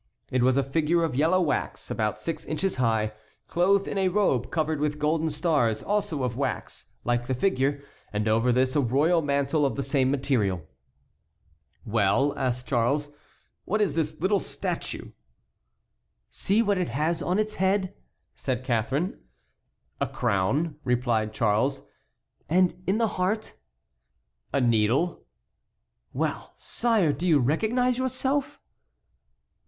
It was a figure of yellow wax, about six inches high, clothed in a robe covered with golden stars also of wax, like the figure; and over this a royal mantle of the same material. "Well," asked Charles, "what is this little statue?" "See what it has on its head," said Catharine. "A crown," replied Charles. "And in the heart?" "A needle." "Well, sire, do you recognize yourself?"